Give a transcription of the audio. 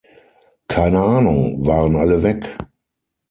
Keine Ahnung, waren alle weg.